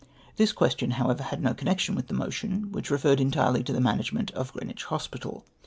This question, however, had no con nection with the motion, which referred entirely to the management of Greenwich Hospital.